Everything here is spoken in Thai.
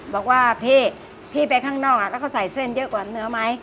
บอกว่าพี่พี่ไปข้างนอกแล้วเขาใส่เส้นเยอะกว่าเนื้อไหม